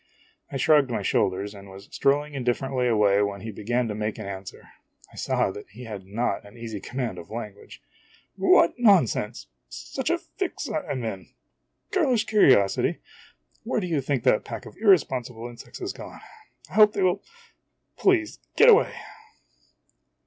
I shrugged my shoulders and was strolling indif ferently away when he began to make an answer. I saw that he had not an easy command of lan guage. "What nonsense! such a fix I 'm in! Girlish curiosity? Where do you think that pack of irresponsible insects has gone? I hope they will Please get away!'